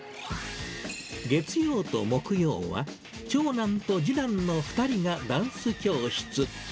月曜と木曜は、長男と次男の２人がダンス教室。